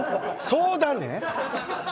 そうだね？